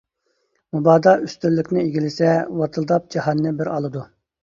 مۇبادا ئۈستۈنلۈكنى ئىگىلىسە، ۋاتىلداپ جاھاننى بىر ئالىدۇ.